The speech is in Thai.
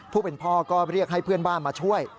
ผู้เป็นพ่อก็เรียกให้เพื่อนบ้านมาช่วย